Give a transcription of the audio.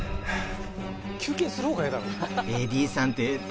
休憩する方が嫌だろ。